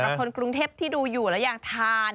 สำหรับคนกรุงเทพฯสำหรับคนที่ดูอยู่แล้วอยากทาน